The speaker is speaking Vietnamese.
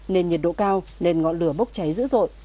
nên nhiệt độ cao nên ngọn lửa bốc cháy dữ dội